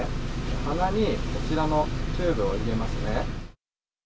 鼻にこちらのチューブを入れますね。